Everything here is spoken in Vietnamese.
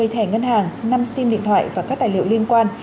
một mươi thẻ ngân hàng năm sim điện thoại và các tài liệu liên quan